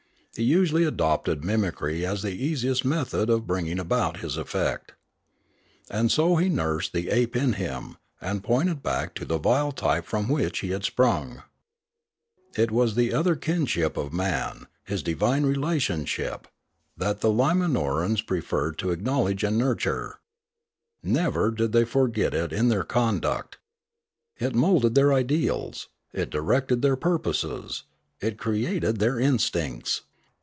He usually adopted mimicry as the easiest method of briuging about his effect. And so he nursed the ape in him, and pointed back to the vile type from which he had sprung. It was the other kinship of man, his divine relationship, that the Limanorans pre ferred to acknowledge and nurture. Never did they forget it in their conduct. It moulded their ideals, it directed their purposes, it created their instincts.